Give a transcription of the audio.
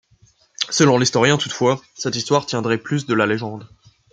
Selon l'historien toutefois, cette histoire tiendrait plus de la légende.